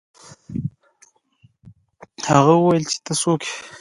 هغه وویل چې ته څوک یې.